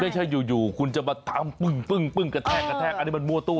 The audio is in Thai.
ไม่ใช่อยู่คุณจะมาทำปึ้งกระแทกกระแทกอันนี้มันมั่วตู้